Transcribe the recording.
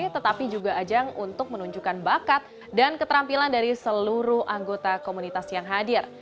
tetapi juga ajang untuk menunjukkan bakat dan keterampilan dari seluruh anggota komunitas yang hadir